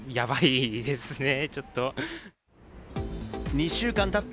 ２週間たった